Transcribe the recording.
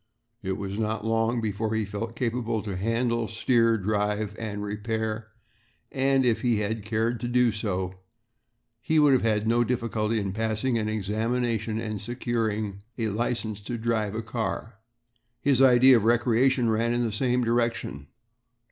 It was not long before he felt capable to handle, steer, drive, and repair, and, if he had cared to do so, he would have had no difficulty in passing an examination and securing a license to drive a car. His idea of recreation ran in the same direction.